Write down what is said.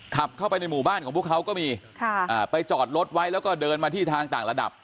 ขับเข้าไปในหมู่บ้านของพวกเขาก็มีไปจอดรถไว้แล้วก็เดินมาที่ทางต่างระดับ